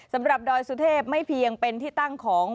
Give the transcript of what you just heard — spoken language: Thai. ดอยสุเทพไม่เพียงเป็นที่ตั้งของ